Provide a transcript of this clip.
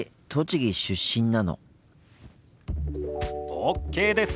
ＯＫです！